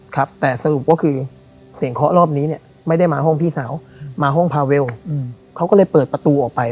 ครับแต่สรุปก็คือเสียงเคาะรอบนี้เนี่ยไม่ได้มาห้องพี่สาวมาห้องพาเวลเขาก็เลยเปิดประตูออกไป